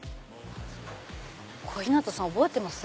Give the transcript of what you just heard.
小日向さん覚えてます？